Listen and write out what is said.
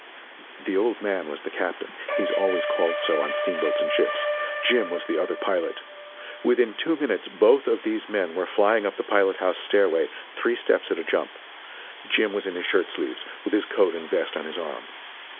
The "old man" was the captain he is always called so, on steamboats and ships; "Jim" was the other pilot. Within two minutes both of these men were flying up the pilothouse stairway, three steps at a jump. Jim was in his shirt sleeves, with his coat and vest on his arm.